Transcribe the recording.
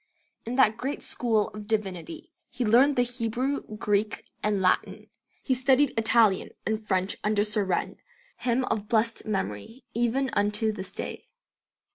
In that great school of divinity he learned the Hebrew, Greek, and Latin; he studied Italian, and French under Surenne, him of blessed memory even unto this day.